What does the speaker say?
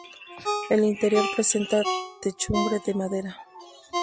El interior presenta techumbre de madera.